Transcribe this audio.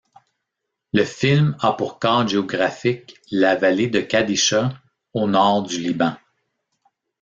Le film a pour cadre géographique la vallée de Qadisha, au nord du Liban.